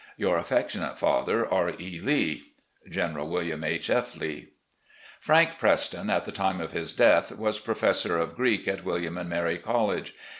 "Your affectionate father, "R. E. Lee. "General William H. F. Lee." Frank Preston, at the time of his death, was professor of Greek at William and Mary College.